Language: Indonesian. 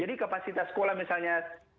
jadi kapasitas sekolah misalnya